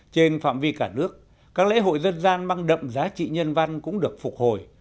trên phạm vi cả nước các lễ hội dân gian mang đậm giá trị nhân văn cũng được phục hồi